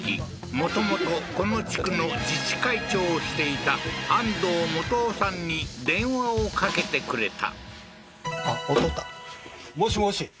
もともとこの地区の自治会長をしていたアンドウモトオさんに電話をかけてくれた